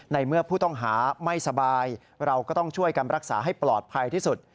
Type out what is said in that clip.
ในเมื่อผู้ต้องหาไม่สบายเราก็ต้องช่วยกันรักษาให้ปลอดภัยที่สุด